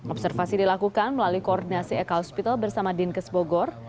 observasi dilakukan melalui koordinasi ek hospital bersama dinkes bogor